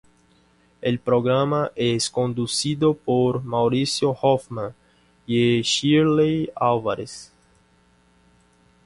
El programa es conducido por Mauricio Hoffman y Shirley Álvarez.